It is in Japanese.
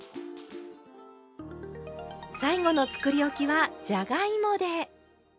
最後のつくりおきはじゃがいもで。